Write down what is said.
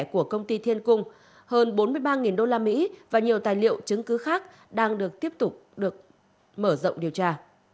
của công ty thiên cung hơn bốn mươi ba đô la mỹ và nhiều tài liệu chứng cứ khác đang được tiếp tục được mở rộng điều tra